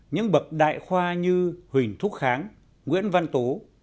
những bậc đại khoa như huỳnh thúc kháng nguyễn văn tố